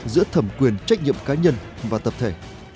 giữa thẩm quyền trách nhiệm cá nhân và tập thể